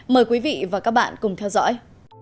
mời quý vị và các bạn cùng theo dõi